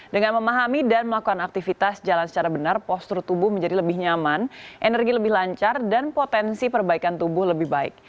dengan memahami dan melakukan aktivitas jalan secara benar postur tubuh menjadi lebih nyaman energi lebih lancar dan potensi perbaikan tubuh lebih baik